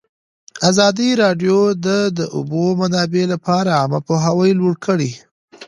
ازادي راډیو د د اوبو منابع لپاره عامه پوهاوي لوړ کړی.